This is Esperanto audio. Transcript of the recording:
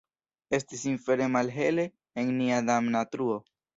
Estis infere malhele en nia damna truo!